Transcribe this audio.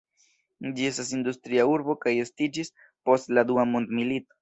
Ĝi estas industria urbo kaj estiĝis post la dua mondmilito.